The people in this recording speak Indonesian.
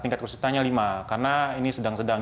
tingkat kesulitannya lima karena ini sedang sedang